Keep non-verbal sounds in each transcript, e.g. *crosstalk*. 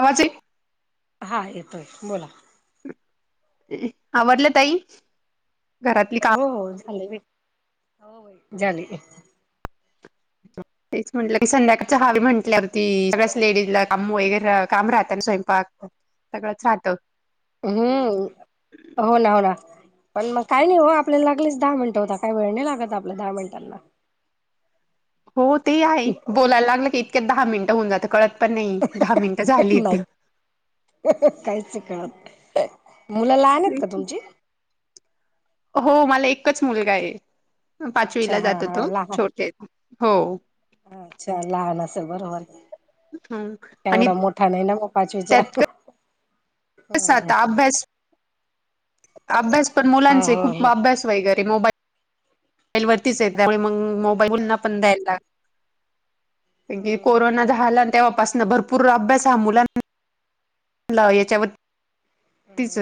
आवाज हां येतोय बोला आवरलं ताई घरातले हो झाल व्हय हो झाले इ *inaudible* तेच म्हटलं की संध्याकाळच्या हाल म्हटल्यावरती सगळ्याच लेडीज ला काम वगैरे काम राहत ना स्वयंपाक सगळंच चाट हम्म हो ना हो ना पण मग काही नाही हो आपल्याला लागलीच दहा मिनिट होता काही वेळ नाही लागत आपल्या दहा मिनिटांना हो ते आहे बोलायला लागलं की इतक्यात दहा मिनिट होऊन जात कळत पण नाही दहा मिनिट झालीत नाही काहीच कळत नाही मुल लहान का तुमची हो मला एकच मुलगा आहे अच्छा पाचवीला हा जातो हा तो लहान छोटे हो अच्छा लहान असेल बरोबर हम आणि एवढा मोठा काय नाही ओ मग पाचवीचा त्यात कस आता अभ्यास अभ्यास पण हो मुलांचे हो खुप हो अभ्यास वगैरे मोबाईल मोबाईल वरतीच आहे त्यामुळे मग मोबाईल पुन्हा पण द्यायला लाग- कोरोना झाला तेव्हापासन भरपूर अभ्यास हां मुलांना *unintelligible* याच्यावरच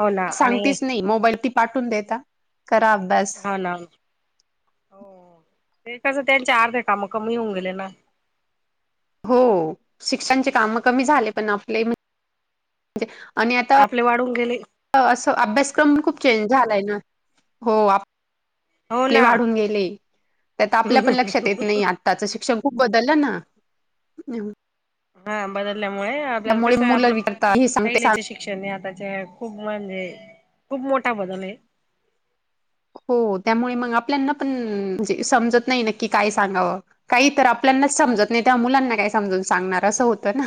हो ना आणि सांगतीच नाही मोबाईल ती पाठवुन देता करा अभ्यास होणार ते कसं त्यांचे अर्धे काम कमी होऊन गेले ना हो शिक्षणचे काम कमी झाले पण आपले आणि आता आपले वाढुन गेले अस अभ्यासक्रम खुप चेंज झालाय ना हो आप हो आपले ना वाढुन गेले त्यात आपल्या पण लक्षात येत नाही आ आत्ताच शिक्षण खुप बदलल ना हां बदलल्यामुळे आपल्याला त्यामुळे कस मुलं आपल विचारता हे सांगते पहिल्याच्या सांग शिक शिक्षण हे आताच्या खुप म्हणजे खुप मोठा बदल आहे हो त्यामुळे मग आपल्याना पण जे समजत नाही नक्की काय सांगावं‌ काही तर आपल्यानाच समजत नाही त्या मुलांना काय समजून सांगणार असं होतं ना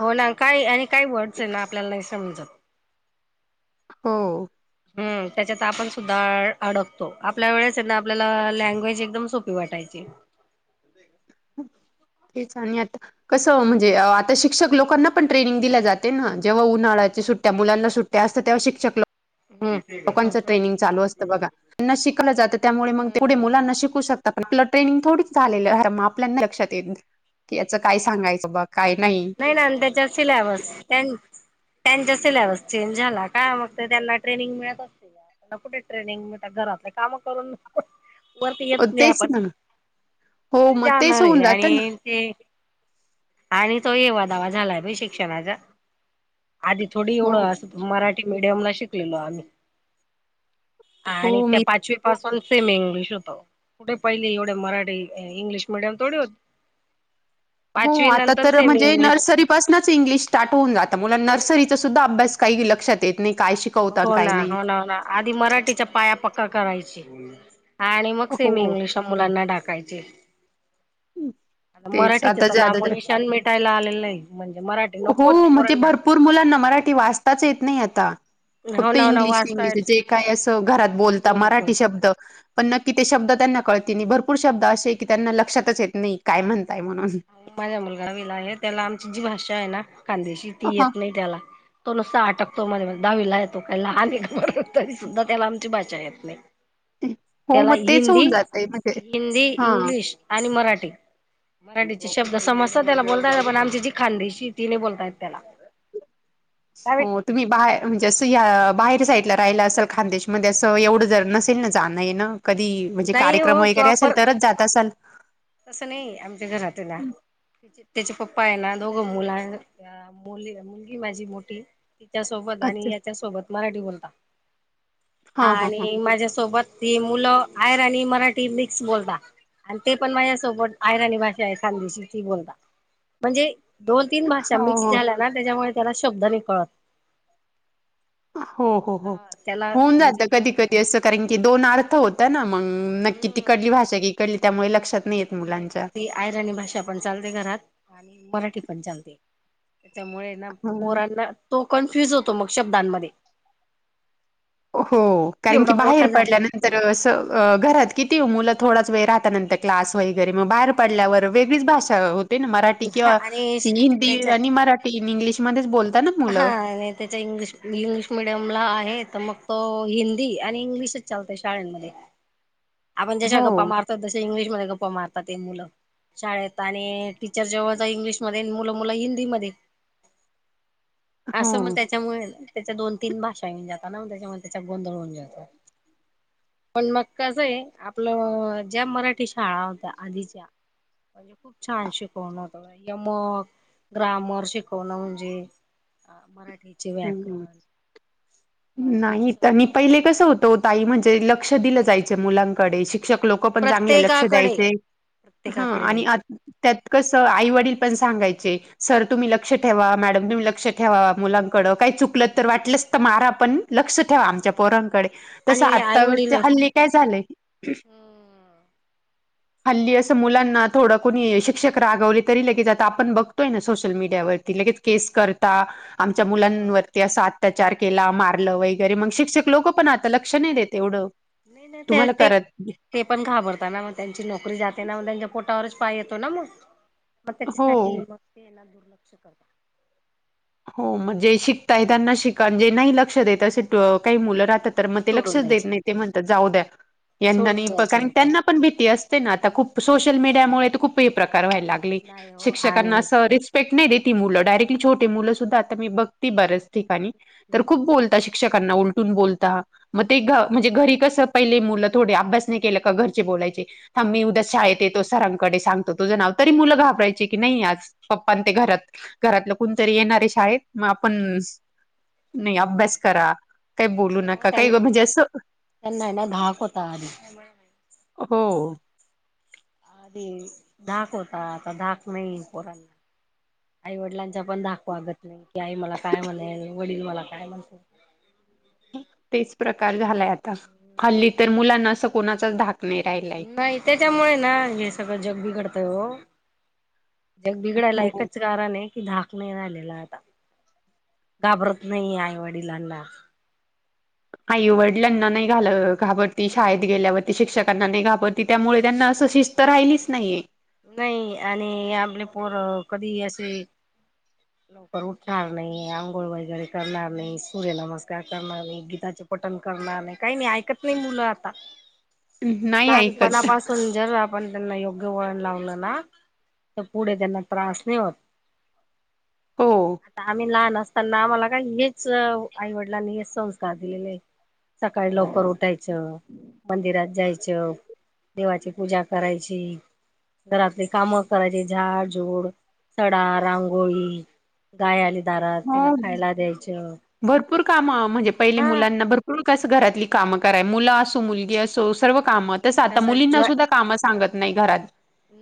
हो ना काय आणि काही वर्डस आहे ना आपल्याला नाही समजत हो हम त्याच्यात आपण सुद्धा आड अडकतो आपल्या वेळेस ना आपल्याला लँग्वेज एकदम सोपी पि वाटायची तेच आणि आता कसं म्हणजे आता शिक्षक लोकांना पण ट्रेनिंग दिल्या जाते ना जेव्हा उन्हाळ्याच्या सुट्ट्या मुलांना सुट्ट ट्या असतात तेव्हा शिक्षक लोक हम्म लोकांचं ट्रेनिंग चालू असतं बघा तेंना शिकलं जातं त्यामुळे मग ते पुढे हम्म मुलांना शिकू शकत- आता आपलं ट्रेनिंग थोडीच झालेल असत मग आपल्या नाही लक्षात येत की याचं काय सांगायचं बघ काय नाही नाही ना त्याच्या- सिलाबस तेन्चा त्यांचा सिल्याबस चेंज झाला का मग ते त्यांना ट्रेनिंग मिळत असते. आता कुठे ट्रेनिंग मिळतात घरातले काम करून परत येत नाही तेच आपण ना हो कुठे मग तेच जाणार होऊन आहे जातं ना आणि ते आणि तो एवा दावा झालाय बाई शिक्षणाचा आधी थोडी हो एवढं मराठी मिडियम ला शिकलेलो आम्ही हो आणि त्या मी पाचवी पासून सेमी इंग्लिश होत कुठे पहिली एवढे मराठी इंग्लिश मिडियम थोडी होते. हो आता तर सेमी म्हणजे इंग्लिश नर्सरी पासनच इंग्लिश सार्ट होऊन जात मुलांना नर्सरीचा सुद्धा अभ्यास काही लक्षात येत नाही काय शिक हो ना हो ना हो ना आधी मराठीच्या पाया पक्का करायची. आणि मग सेमी हो इंग्लिशला मुलांना टाकायचे आता तेच मराठीच आता तर ज्यादा नामोनिशान मिटायला आलेलं आहे म्हणजे मराठी हो नकोच म्हणजे पोरांना भरपूर मुलांना मराठी वाचताच येत नाही आता हो फक्त ना हो ना इंग्लिश इंग्लिश वाचताय जे काय असं घरात बोलता इंग्लिश मध्ये मराठी शब्द पण नक्की ते शब्द त्यांना कळते नाही भरपूर शब्द असे की त्यांना लक्षातच येत नाही काय म्हणताय म्हणून माझ्या मुलगावीला आहे त्याला आमची जी भाषा आहे ना कांद्येशी ती हां, येत नाही त्याला तो नुसता अटकतो मध्ये मध्ये दहावीला आहे तो काय लहान आहे का बरं तरी सुद्धा त्याला आमची भाषा येत नाही. हो त्याला मग तेच हिंदी होऊन जातंय म्हणजे हिंदी हां. इंग्लिश आणि मराठी मराठीचे शब्द समजतात त्याला बोलतायेत पण आमची जी खांदीशी ती नाही बोलतायेत त्याला काय हो. तुम्ही बाहेर म्हणजे असं या बाहेर साईडला राहिला असेल खान्देशमध्ये असं एवढं जर नसेल ना जाणं येन कधी म्हणजे नाही कार्यक्रम हो वगैरे प्रॉपर असेल तर च जात असाल तसं नाही आमच्या घरातुला त्याचे पप्पा आहे ना दोघं मुलांना मुलगी माझी मोठी तिच्यासोबत आणि अच्छा. याच्या सोबत मराठी बोलता हा हां, हां, हां. आणि माझ्यासोबत ती मुलं आयरानी मराठी मिक्स बोलता आणि ते पण माझ्यासोबत आयराणी भाषा आहे खांदेशी ती बोलता म्हणजे दोन तीन भाषा हो, मिक्स हो. झाल्या ना त्याच्यामुळे त्याला शब्द नाही कळत. हो हो हो हा त्याला होऊन जात म्हणजे कधी कधी असं कारण की दोन अर्थ होत. ना मग नक्की तीकडली भाषा की इकडली त्यामुळे लक्षात नाही येत. नाही मुलांच्या मग ते आयरणी भाषा पण चालते घरात, आणि मराठी पण चालते. त्याच्यामुळे ये ना हं. पोरांना तो कन्फ्युज होतो. मग शब्दांमध्ये ओ हो कारण की, एवढा बाहेर मोठा पडल्यान झाला तर असं घरात किती ओ मुलं थोडाच वेळ राहता नंतर क्लास वगैरे म बाहेरं पडल्यावर वेगळीच भाषा होते ना मराठी हा किंवा आणि इंग्लिश बी त्याच्या आणि मराठ तीन इंग्लिशमध्येच बोलता ना हा, मुलं नाय त्याच्या इंग्लिश इंग्लिश मिडीयमला आहे. त मग तो हिंदी आणि इंग्लिशच चालतोय शाळंमध्ये आपण जशा हो गप्पा मारतो. तशा इंग्लिशमध्ये गप्पा मारता ते मुलं शाळेत आणि टीचर जवळच इंग्लिशमध्ये अनं मुलं मुलं हिंदीमध्ये *inaudible* असं म त्याच्यामुळे ये ना, त्याच्या दोन तीन भाषा येऊन जाता ना, म त्याच्यामुळे त्याचा गोंधळ होऊन जातो. पण मग कसं ये, आपलं ज्या मराठी शाळा होत्या आधीच्या म्हणजे खूप छान शिकवण होत. यमक, ग्रामर शिकवणं म्हणजे अ मराठीचे हम्म. व्याकरण मराठीचे नाही, त्यानी सगळं पहिले म्हणजे कस होतो ओ ताई म्हणजे, लक्ष दिलं जायच मुलांकडे शिक शिक्षक लोक पण चांगले लक्ष प्रत्येकाकडे द्यायचे. ह प्रत्येकाकडे आणि आत द्यायचं त्यात कसं आई वडील पण सांगायचे, सर तुम्ही लक्ष ठेवा. मॅडम तुम्ही लक्ष ठेवा. मुलां कड काय चुकलं तर, वाटल्यास त मारा पण लक्ष ठेवा. आमच्या पोरांकडे. तसं आणि आई वडील आताचे नाही हल्ली काय झालंय हल्ली असं, मुलांना थोडं कोणी शिक्षक रागवले. तरी लगेच आता आपण बघतोय ना, सोशल मीडियावर ती. लगेच केस करता. आम मुलांवरती असा अत्याचार केला. मारलं वगैरे मंग शिक्षक लोक पण आता लक्ष नाय देत एवढं नय न तुम्हाला त्यक त्यक करत ते पण घाबरता ना, म त्यांची नोकरी जाते ना, म त्यांच्या पोटावरच पाय येतो ना म म त्याच्यासाठी हो मग ते ये ना दुर्लक्ष करता हो म जे शिकताय त्यांना शिका. न जे नाही लक्ष देत असे काही मुलं राहतात तर म ते सोडून लक्षच देत द्यायच नाही. ते म्हणतात जाऊ द्या. यांना सोडून नई द्यायचं कारण मग त्यांना पण भीती असते ना. आता खूप सोशल मीडयामुळे त खूप हे प्रकार व्हायला लाग ले. नाही हो शिक्षकांना आणि अस रिस्पेक्ट नाही देती मुल डायरेक्टली छो टी मुलं सुद्धा आता मी बघती बऱ्याच ठिकाणी तर खूप बोलता. शिक्षकांना उलटून बोलताहा म ते घ म्हणजे, घरी कसं पहिले मुलं थोडे अभ्यास नाय केलं का घरचे बोलायचे थांब मी उद्या शाळेत येतो. सरांकडे सांगतो तुझं नाव, तरी मुलं घाबरायचे की नाई आज पप्पानं ते घरात, घरातलं कोणतरी येणार ये शाळेत. म आपण नाय अभ्यास करा. काय बोलू नाही हो नका. काय म्हणजे असं त्यांना हाय ना धाक होता आधी त्यामुळे हो. आधी धाक होता. आता धाक नाही पोरांना आई वडिलांचा पण धाक वागत नाही. की आई मला काय म्हणेल, वडील मला काय म्हणतील. तेच प्रकार झालाय आता, हल्ली तर मुलांना असं कोणाचाच धाक नाही राहिलाय नाही. त्याच्यामुळे ये ना हे सगळं जग बिघडतय ओ जग बिघडायला हो एकच कारण ये की धाक नाही राहिलेला आता, घाबरत नाही आईवडिलांना आईवडिलांना नाही घाल घाबरती. शाळेत गेल्यावरती शिक्षकांना नाही घाबरत की, त्यामुळे त्यांना असं शिस्त राहिलीच नाहीये. नाही आणि आपले पोर कधी असे लवकर उठणार नाही आंघोळ वगैरे करणार नाही सूर्य नमस्कार करणार नाही गीताचे पठन करणार नाही काही नाही ऐकत नाही मुल आता *inaudible* नाही लहान पणा ऐकत पास पण जर आपण त्यांना योग्य वळण लावल ना तर पुढे त्यांना त्रास नाही होत हो आता आम्ही लहान असताना आम्हाला काय हेच आईवडिलांनी हे संस्कार दिलेले आहे लवकर उठायचं मंदिरात जायच देवाची पूजा करायची. घरातले काम करायचे झाड जूड सडा रांगोळी गाय आली दारात तिला हो खायला द्यायच भरपूर काम म्हणजे पहिले मुलांना भरपूर कस घरातली काम कराय मुल असो मुलगी असो सर्व काम तस आणि आता त्याचा मुलींना जॉय सुद्धा काम सांगत नाही घरात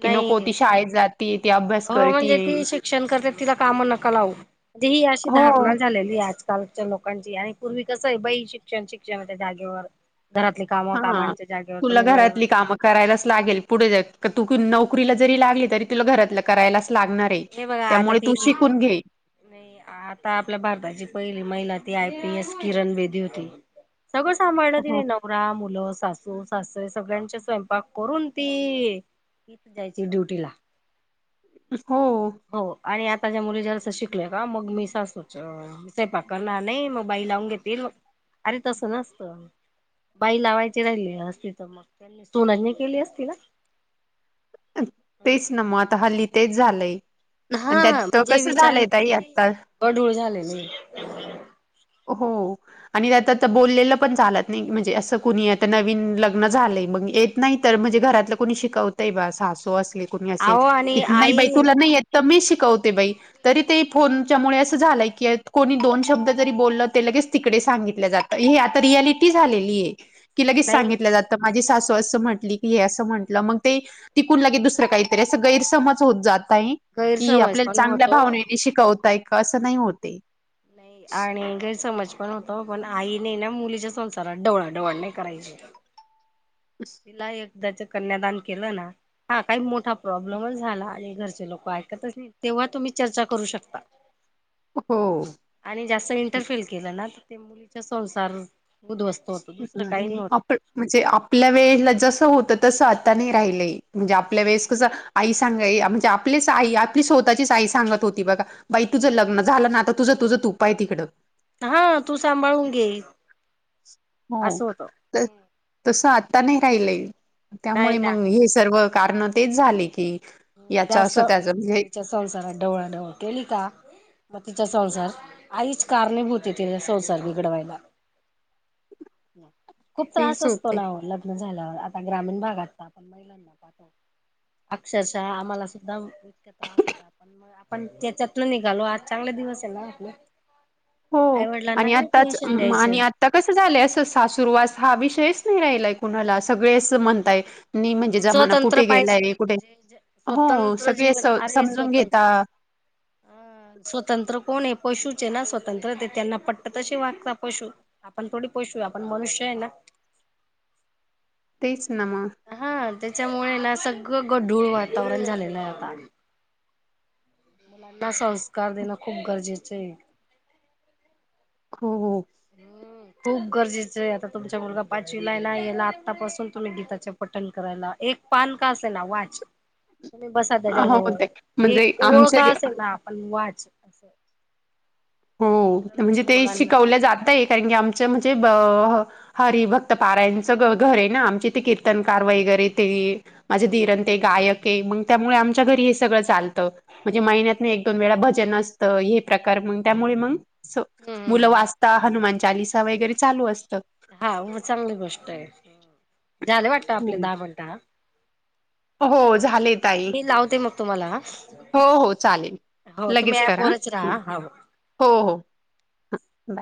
कि नको नाही ती शाळेत जात ती ती अभ्यास हो म्हणजे ती शिक्षण करते तिला काम नका लावू. म्हणजे ही अशी हो. धारणा झालेली आज कालच्या लोकांची आणि पूर्वी कस आहे बाई शिक्षण शिक्षण त्या जागेवर घरातले काम हा कामांच्या जागेवर तुला तुम्ही वेळे घरातली कामं करायलाच लागेल पुढे जाऊन तू नोकरीला जरी लागली तरी तुला घरातल करायलाच लागणार त्यामुळे तू शिकून घे. निई आता आपल्या भारताची पहिली महिला ती I P S Kiran Bedi होती. सगळ सांभाळल हो तिने नवरा मुल सासू सासरे सगळ्यांचे स्वयंपाक करून ती हि पण जायची ड्युटी ला. हो हो आणि आता ज्या मुली जास्त शिकल्या का मग मी सासूच सैपाक करणार नाही मग बाई लावून घेतील अरे तस नसत. बाई लावायची राहिली असती तर मग त्यांनी सोनांनी केली असती ना. तेच ना मग आता हल्ली तेच झालय आणि त्यात कस झालय ताई आत्ता गडूळ झालेलये. हो आणि आतात बोललेल पण झालत नाही म्हणजे अस कुणी आता नवीन लग्न झालय मग येत नाहीत तर म्हणजे घरातल कोणी शिकवतय बा सासू असले कोणी असेल आहो कि आणि नाही बाई आई तुला नाही येत त मी शिकवते बाई तरी ते फोनच्यामुळे अस झालय की कोणी दोन शब्द जरी बोल ते लगेच तिकडे सांगितल जात हे आता रिॲलिटी झालेली आहे की लगेच नाही सांगितल्या जात. आता माझी सासू अस म्हटली की हे म्हंटल ते. तिकडून लगेच दुसर काहीतरी अस गैरसमज होत जाताये. कि हे गैरसमज आपल्याला पण चांगल्या होतो भावनेने शिकवताय का अस नाही होतये नाही आणि गैरसमज पण होत कोना आईने येना मुलीच्या डवळा डवाळण नाही करायची. ब *unintelligible* तिला एकदाच कन्यादान केल ना हा काही मोठा प्रॉब्लेमच झाला आणि घरचे लोक ऐकतच नाही तेव्हा तुम्ही चर्चा करू शकता. हो आणि जास्त इंटरफेल केल ना तर ते मुलीचा संसार उद्धवस्त होतो. दुसरं काही नाही होत आपन म्हणजे आपल्या वेळेला जस होतं तस आता नाही राहिलंय! म्हणजे आपल्या वेळेस कस आई सांगा म्हणजे आपलीच आई आपली स्वतःचीच आई सांगत होती बघा. बाई तुझं लग्न झालं ना आता तुझं तुझं तू पाही तिकडं, हा तू सांभाळून घे, हो असं होत. तर तस आता नाही राहीलय, नाही त्यामुळे ना मग हे सर्व कारण तेच झाले की? ते याचं अस असं त्याचं म्हणजे त्याच्या संसारात ढवळा ढवळ केली का? म तिचा संसार आईच कारणेभूत तिचा संसार बिघडवायला! हम्, खूप त्रास तेच असतो होते ना ओ लग्न झाल्यावर आता ग्रामीण भागात आपण महिलांना पाहतो. अक्षरशः आम्हाला सुद्धा इतक त्रास, आपण त्याच्यातन निघालो आज चांगले दिवस आहे ना आपले. हो आईवडिलांना आणि काय आताच पेन्शन म आणि द्यायचं! आता कसं झालंय असं सासुरवास हा विषयच नाही राहीला, कुणाला सगळेच म्हणताय मी म्हणजे जमाना स्वतंत्र कुठे पाहिजे गेलाय कुठे! म्हणजे हो स्वतंत्र सगळे जीवन स अरे समजून स्वतंत्र घेता! अ स्वतंत्र कोण आहे पशूचे ना स्वतंत्र ते त्यांना पटत तसे वागता पशू, आपण थोडी पशू हाय आपण मनुष्य आहे ना! तेच ना मग, हा त्याच्यामुळे ना सगळं गढूळ वातावरण झालेलं आहे आता? मुलांना संस्कार देणं खूप गरजेचं आहे. हो हो, खूप गरजेचं आहे आता तुमचा मुलगा पाचवीला हाय ना याला आतापासून तुम्ही गीताच्या? पटन करायला एक पान का अस आहे ना वाच! ह, तुम्ही बसा त्याच्याच्यावळ एक ओळख आमचे असेल ना आपण वाच? असं हो खरंच म्हणजे ते मुलांना शिकवलं जातंय कारणकी आमचं म्हणजे ब? हरी भक्त पारायंणचं घर आहे ना आमचे ते कीर्तनकार वगैरे ते! माझे धीर आणि ते गायक आहे मग त्यामुळे आमच्या घरी हे सगळं चालतं. म्हणजे महिन्यात म एक दोन वेळा भजन असतं हे प्रकार मग त्यामुळे मग, अस मुलं हम्म वाचता हनुमान चालिसा वगैरे चालू असत. हा मग चांगली गोष्ट आहे झाले वाटत आपले हं. दहा मिनटं हा. हो झाले ताई मी लावते मग तुम्हाला हा हो हो चालेल. हो तुम्ही लगेच करा ऍपवरच हा राहा हो हो हो, हं.